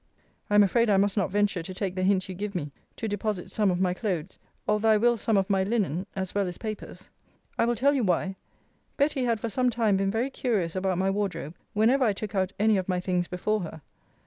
I am afraid I must not venture to take the hint you give me, to deposit some of my clothes; although I will some of my linen, as well as papers. I will tell you why Betty had for some time been very curious about my wardrobe, whenever I took out any of my things before her.